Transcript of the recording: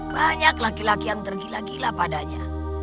banyak laki laki yang tergila gila padanya